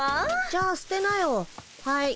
じゃあ捨てなよはい。